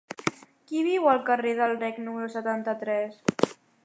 Qui viu al carrer del Rec número setanta-tres?